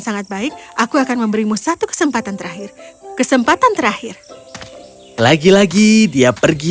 sangat baik aku akan memberimu satu kesempatan terakhir kesempatan terakhir lagi lagi dia pergi